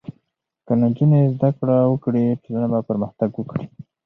که نجونې زدهکړه وکړي، ټولنه به پرمختګ وکړي.